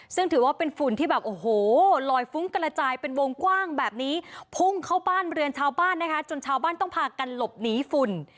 ซึ่งถือว่าเป็นฝุ่นที่แบบโอ้โหลอยฟุ้งกระจายเป็นวงกว้างแบบนี้พุ่งเข้าบ้านเรือนชาวบ้านนะคะจนชาวบ้านต้องพากันหลบหนีฝุ่น